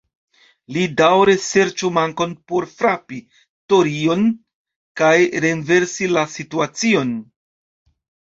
Li daŭre serĉu mankon por frapi "tori"-on, kaj renversi la situacion.